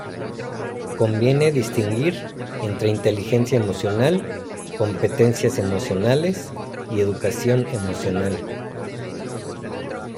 Conviene distinguir entre inteligencia emocional, competencias emocionales y educación emocional.